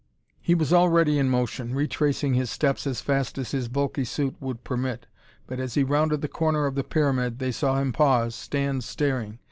He was already in motion, retracing his steps as fast as his bulky suit would permit. But as he rounded the corner of the pyramid, they saw him pause, stand staring.